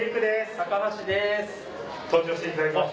高橋です。